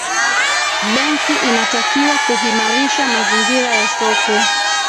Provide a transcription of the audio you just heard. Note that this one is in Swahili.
benki inatakiwa kuhimarisha mazingira ya soko